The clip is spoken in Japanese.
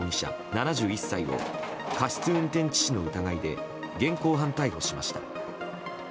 ７１歳を過失運転致死の疑いで現行犯逮捕しました。